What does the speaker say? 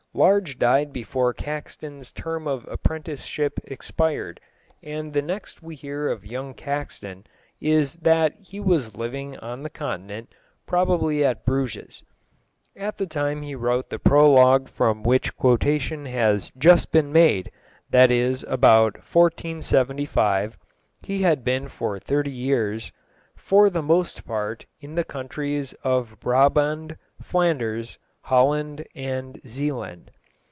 Large died before Caxton's term of apprenticeship expired, and the next we hear of young Caxton is that he was living on the Continent, probably at Bruges. At the time he wrote the prologue from which quotation has just been made, that is about 1475, he had been for thirty years "for the most parte in the contres of Braband, flanders, holand, and zeland."